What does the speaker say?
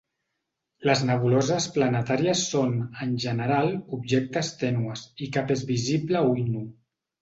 Les nebuloses planetàries són, en general, objectes tènues, i cap és visible a ull nu.